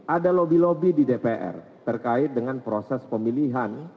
ada lobby lobby di dpr terkait dengan proses pemilihan